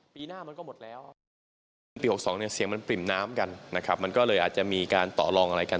ปี๖๒เสียงมันปริ่มน้ำกันมันก็เลยอาจจะมีการต่อลองอะไรกัน